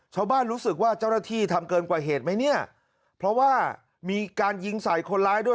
รู้สึกว่าเจ้าหน้าที่ทำเกินกว่าเหตุไหมเนี่ยเพราะว่ามีการยิงใส่คนร้ายด้วย